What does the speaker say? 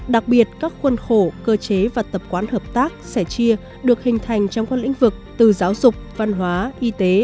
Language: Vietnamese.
đặc biệt các khuôn khổ cơ chế và tập quán hợp tác sẻ chia được hình thành trong các lĩnh vực từ giáo dục văn hóa y tế